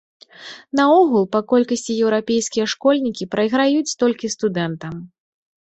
Наогул, па колькасці еўрапейскія школьнікі прайграюць толькі студэнтам.